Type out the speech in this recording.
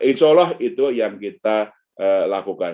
insya allah itu yang kita lakukan